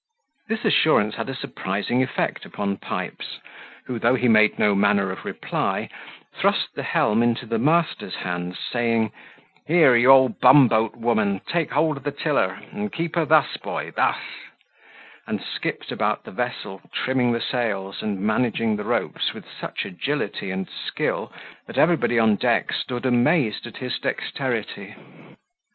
This assurance had a surprising effect upon Pipes, who, though he made no manner of reply, thrust the helm into the master's hands, saying, "Here, you old bumboat woman, take hold of the tiller, and keep her thus, boy, thus;" and skipped about the vessel, trimming the sails, and managing the ropes with such agility and skill, that everybody on deck stood amazed at his dexterity.